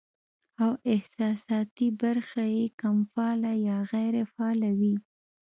او احساساتي برخه ئې کم فعاله يا غېر فعاله وي